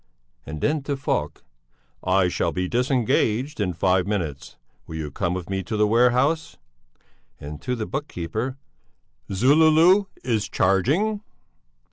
and then to Falk: "I shall be disengaged in five minutes. Will you come with me to the warehouse?" And to the book keeper: "Zululu is charging?"